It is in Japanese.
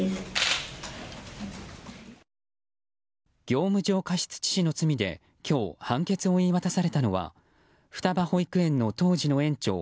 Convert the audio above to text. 業務上過失致死の罪で今日、判決を言い渡されたのは双葉保育園の当時の園長